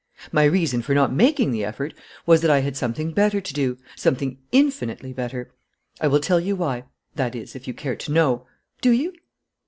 "My reason for not making the effort was that I had something better to do, something infinitely better. I will tell you why, that is, if you care to know. Do you?